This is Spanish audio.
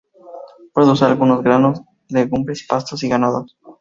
Produce algunos granos, legumbres, pastos y ganados".